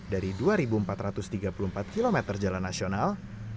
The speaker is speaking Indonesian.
dari dua empat ratus tiga puluh empat km jalan nasional